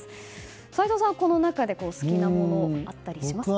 齋藤さん、この中でお好きなものあったりしますか。